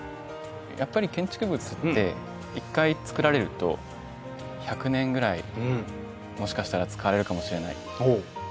やっぱり建築物って１回作られると１００年ぐらいもしかしたら使われるかもしれない。